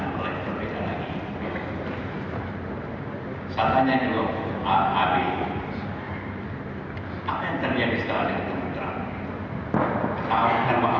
saya bicara umpama beberapa hari